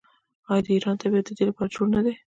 آیا د ایران طبیعت د دې لپاره جوړ نه دی؟